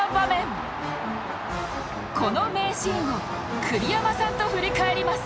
この名シーンを栗山さんと振り返ります